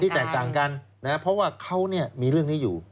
ที่แตกต่างกันนะฮะเพราะว่าเขาเนี่ยมีเรื่องนี้อยู่